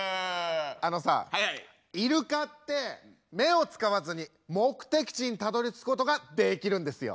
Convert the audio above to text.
あのさイルカって目を使わずに目的地にたどり着くことができるんですよ。